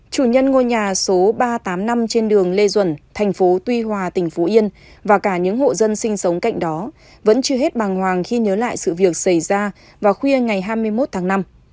chủ nhân ngôi nhà số ba trăm tám mươi năm trên đường lê duẩn thành phố tuy hòa tỉnh phú yên và cả những hộ dân sinh sống cạnh đó vẫn chưa hết bàng hoàng khi nhớ lại sự việc xảy ra vào khuya ngày hai mươi một tháng năm